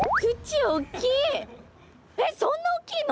えっそんなおっきいの？